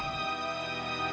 kamilah yang terang terang